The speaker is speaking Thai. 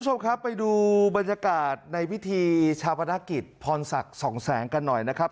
คุณผู้ชมครับไปดูบรรยากาศในพิธีชาปนกิจพรศักดิ์สองแสงกันหน่อยนะครับ